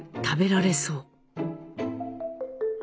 「食べられそう！！」。